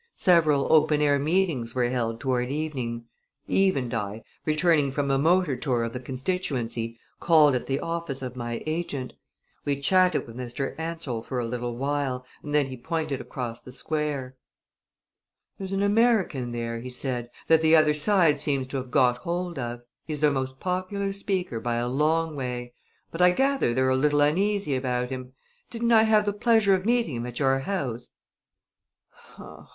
Several open air meetings were held toward evening. Eve and I, returning from a motor tour of the constituency, called at the office of my agent. We chatted with Mr. Ansell for a little while and then he pointed across the square. "There's an American there," he said, "that the other side seems to have got hold of. He's their most popular speaker by a long way; but I gather they're a little uneasy about him. Didn't I have the pleasure of meeting him at your house?"